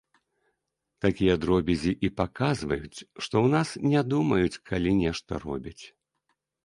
Такія дробязі і паказваюць, што ў нас не думаюць, калі нешта робяць.